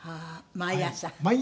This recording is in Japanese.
毎朝。